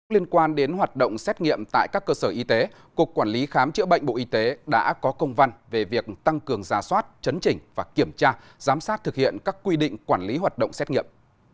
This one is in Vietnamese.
liên quan đến hoạt động xét nghiệm tại các cơ sở y tế cục quản lý khám chữa bệnh bộ y tế đã có công văn về việc tăng cường gia soát chấn chỉnh và kiểm tra giám sát thực hiện các quy định quản lý hoạt động xét nghiệm